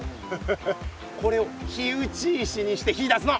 これを火打ち石にして火だすの。